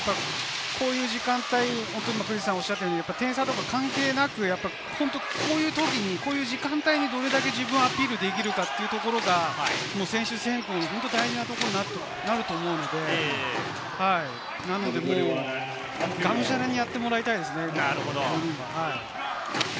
こういう時間帯、点差とか関係なくこういうときにこういう時間帯にどれだけ自分をアピールできるかというところが、選手選考の本当に大事なところになると思うので、がむしゃらにやってもらいたいですね。